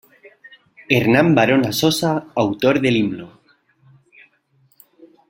Hernán Barona Sosa, autor del Himno.